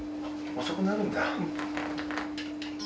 遅くなるんだ。